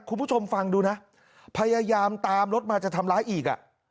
คุณผู้ชมฟังดูนะพยายามตามรถมาจะทำร้ายอีกอ่ะ